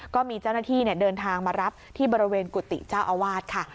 ก็มีเจ้าหน้าที่เดินทางมารับที่บริเวณกุฏิเจ้าอาวาสค่ะ